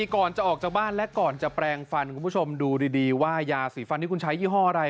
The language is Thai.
ก่อนจะออกจากบ้านและก่อนจะแปลงฟันคุณผู้ชมดูดีว่ายาสีฟันที่คุณใช้ยี่ห้ออะไร